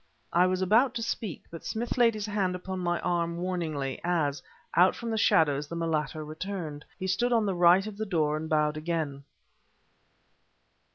I was about to speak, but Smith laid his hand upon my arm warningly, as, out from the shadows the mulatto returned. He stood on the right of the door and bowed again.